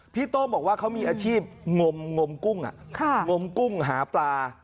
พี่โต้งบอกว่าเขามีอาชีพงมกุ้งหาปลา